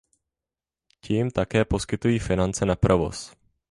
Ti jim také poskytují finance na provoz.